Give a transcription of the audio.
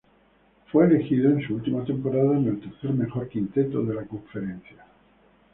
Fue elegido en su última temporada en el tercer mejor quinteto de la conferencia.